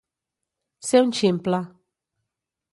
Ser un ximple.